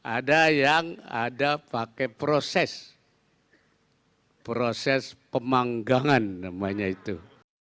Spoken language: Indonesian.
ada yang ada pakai proses proses pemanggangan namanya itu